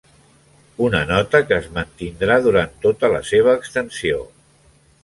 Una nota que es mantindrà durant tota la seva extensió.